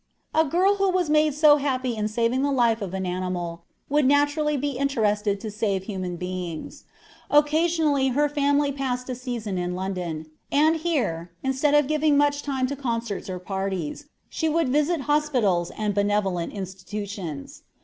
'" A girl who was made so happy in saving the life of an animal would naturally be interested to save human beings. Occasionally her family passed a season in London, and here, instead of giving much time to concerts or parties, she would visit hospitals and benevolent institutions.